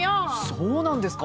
そうなんですか？